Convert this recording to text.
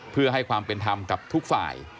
เพื่อให้ความเป็นธรรมกับทุกฝ่าย